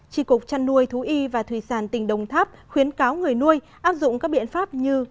tri cục trăn nuôi thú y và thủy sản tỉnh đồng tháp khuyến cáo người nuôi áp dụng các biện pháp như